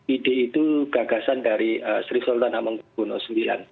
ide itu gagasan dari sri sultan hamenggono ix